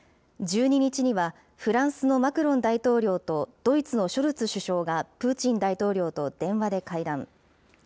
１２日には、フランスのマクロン大統領と、ドイツのショルツ首相がプーチン大統領と電話で会談。